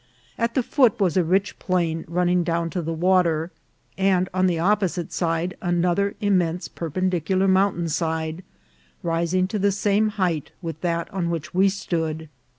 At the foot was a rich plain running down to the water ; and on the opposite side another immense perpendicular mountain side, rising to the same height with that on which we stood.